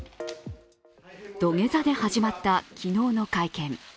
土下座で始まった昨日の会見。